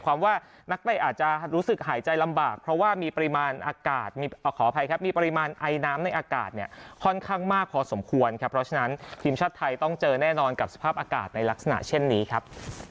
ว่านักเตะอาจจะรู้สึกหายใจลำบากเพราะว่ามีปริมาณอากาศมีขออภัยครับมีปริมาณไอน้ำในอากาศเนี่ยค่อนข้างมากพอสมควรครับเพราะฉะนั้นทีมชาติไทยต้องเจอแน่นอนกับสภาพอากาศในลักษณะเช่นนี้ครับ